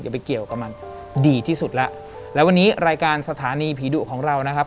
ไปเกี่ยวกับมันดีที่สุดแล้วแล้ววันนี้รายการสถานีผีดุของเรานะครับ